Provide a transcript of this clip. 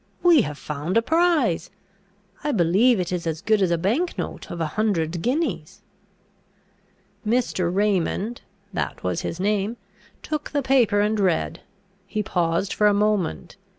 we have found a prize! I believe it is as good as a bank note of a hundred guineas." Mr. Raymond (that was his name) took the paper, and read. He paused for a moment.